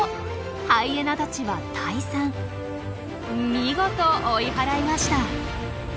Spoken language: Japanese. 見事追い払いました。